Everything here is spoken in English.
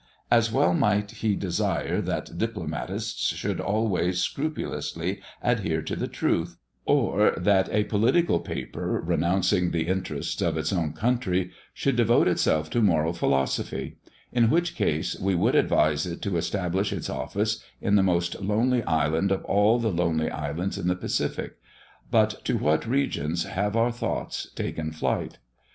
As well might he desire that diplomatists should always scrupulously adhere to the truth, or that a political paper, renouncing the interests of its own country, should devote itself to moral philosophy; in which case, we would advise it to establish its office in the most lonely island of all the lonely islands in the Pacific. But to what regions have our thoughts taken flight!